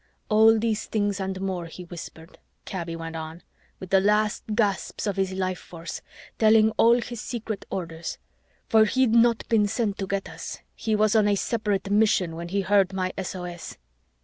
"All these things and more he whispered," Kaby went on, "with the last gasps of his life force, telling all his secret orders for he'd not been sent to get us, he was on a separate mission, when he heard my SOSs.